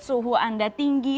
suhu anda tinggi